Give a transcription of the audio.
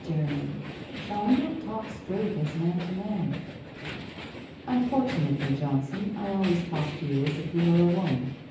Jeremy ? Shall we not talk straight as man to man ?'' Unfortunately, Johnson, I always talk to you as if you were a woman.